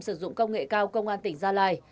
sử dụng công nghệ cao công an tỉnh gia lai